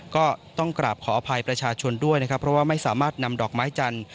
ก็ต้องกราบขออภัยประชาชนด้วยนะครับเพราะว่าไม่สามารถนำดอกไม้จันทร์